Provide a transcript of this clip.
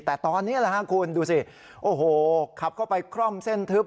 แต่ตอนนี้แหละฮะคุณดูสิโอ้โหขับเข้าไปคร่อมเส้นทึบ